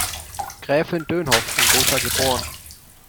Gräfin Dönhoff in Gotha geboren.